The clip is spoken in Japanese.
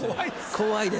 怖いです。